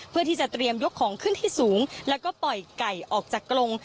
เพื่อที่จะเตรียมยกของขึ้นที่สูงแล้วก็ปล่อยไก่ออกจากกรง